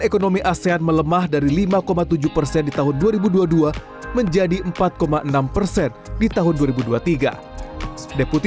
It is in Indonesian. ekonomi asean melemah dari lima tujuh persen di tahun dua ribu dua puluh dua menjadi empat enam persen di tahun dua ribu dua puluh tiga deputi